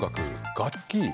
楽器。